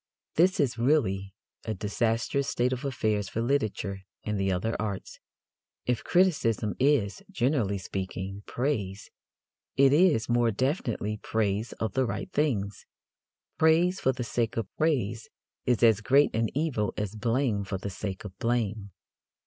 This is really a disastrous state of affairs for literature and the other arts. If criticism is, generally speaking, praise, it is, more definitely, praise of the right things. Praise for the sake of praise is as great an evil as blame for the sake of blame.